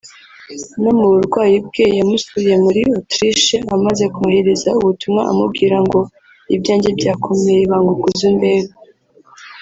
no mu burwayi bwe yamusuye muri Autriche amaze kumwoherereza ubutumwa amubwira ngo ’ibyanjye byakomeye banguka uze undebe”